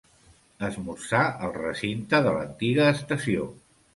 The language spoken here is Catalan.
Esmorzar al recinte de l'antiga estació.